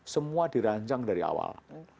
semua dirancang dari awal